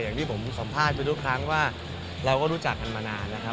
อย่างที่ผมสัมภาษณ์ไปทุกครั้งว่าเราก็รู้จักกันมานานนะครับ